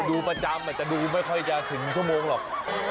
ดูประจำอาจจะดูไม่ค่อยจะถึงชั่วโมงหรอก